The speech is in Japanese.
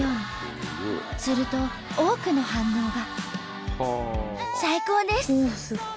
すると多くの反応が。